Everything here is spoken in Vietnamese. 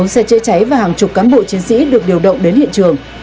bốn xe chữa cháy và hàng chục cán bộ chiến sĩ được điều động đến hiện trường